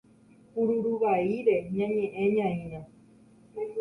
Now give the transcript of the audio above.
Kuruvaíre ñañe'ẽñaína.